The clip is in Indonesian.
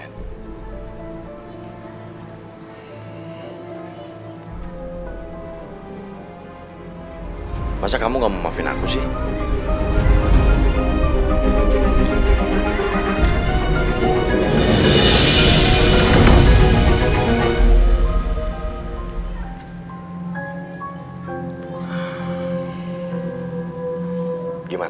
aku tau aku salah sama kamu atas kejadian kemaren